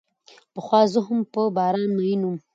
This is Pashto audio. پخوا زه هم په باران مئین وم.